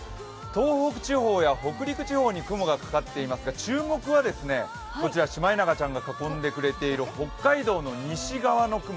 東北地方や北陸地方に雲がかかっていますが注目はシマエナガちゃんが囲んでいる北海道の西側の雲。